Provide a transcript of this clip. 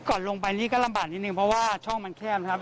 ก่อนลงไปนี่ก็ลำบากนิดนึงเพราะว่าช่องมันแคบครับ